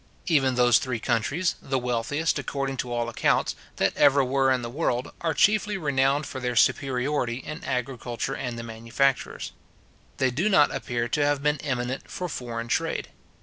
Even those three countries, the wealthiest, according to all accounts, that ever were in the world, are chiefly renowned for their superiority in agriculture and manufactures. They do not appear to have been eminent for foreign trade.